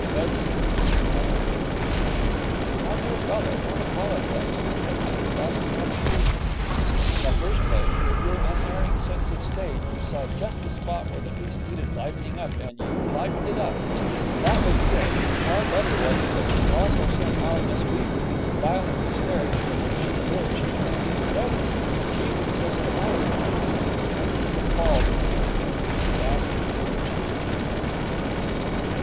Bed seemed the only haven for him. 'My dear fellow, don't apologize. You have put me under lasting obligations. In the first place, with your unerring sense of the stage, you saw just the spot where the piece needed livening up, and you livened it up. That was good; but far better was it that you also sent our Miss Weaver into violent hysterics, from which she emerged to hand in her notice. She leaves us tomorrow.' Henry was appalled at the extent of the disaster for which he was responsible.